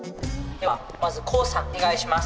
ではまずこうさんお願いします。